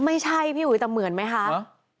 ไม่ใช่พี่อุ๋ยแต่เหมือนไหมคะ